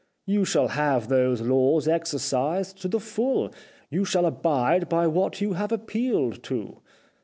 You shall have those laws exer cised to the full. You shall abide by what you have appealed to.'